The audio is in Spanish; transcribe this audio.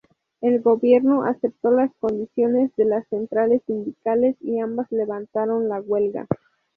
El gobierno aceptó las condiciones de las centrales sindicales y ambas levantaron la huelga.